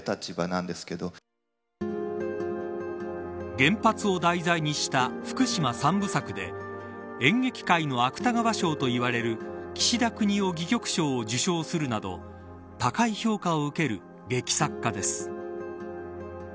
原発を題材にした福島三部作で演劇界の芥川賞といわれる岸田國士戯曲賞を受賞するなど高い評価を受ける劇作家です。